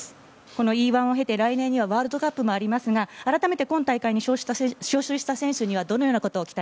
このＥ‐１を経て、来年にはワールドカップもありますがあらためて今大会に招集した選手にははい。